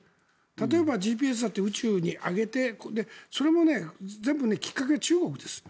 例えばＧＰＳだって宇宙に上げてそれも全部きっかけは中国です。